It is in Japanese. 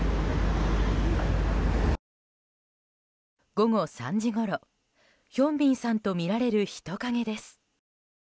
午後３時ごろヒョンビンさんとみられる人影です。